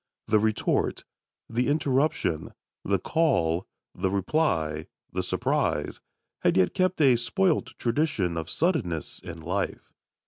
The retort, the interruption, the call, the reply, the surprise, had yet kept a spoilt tradition of suddenness and life.